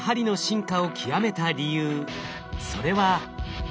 それは。